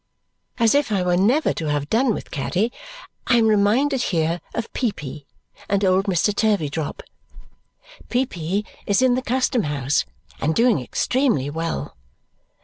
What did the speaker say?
As if I were never to have done with Caddy, I am reminded here of Peepy and old Mr. Turveydrop. Peepy is in the Custom House, and doing extremely well.